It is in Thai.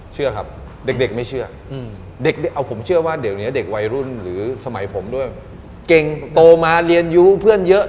เชื่อครับเด็กไม่เชื่อเด็กเอาผมเชื่อว่าเดี๋ยวนี้เด็กวัยรุ่นหรือสมัยผมด้วยเก่งโตมาเรียนรู้เพื่อนเยอะ